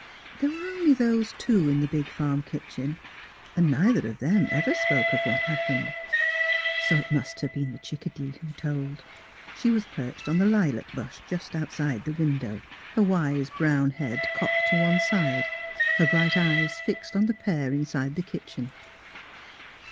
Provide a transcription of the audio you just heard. There were only those two in the big farm kitchen, and neither of them ever spoke of what happened. So it must have been the chickadee who told. She was perched on the lilac bush just outside the window, her wise brown head cocked to one side, her bright eyes fixed on the pair inside the kitchen.